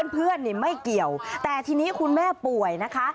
เพื่อนไม่เกี่ยวแต่ทีนี้คุณแม่ป่วยนะคะ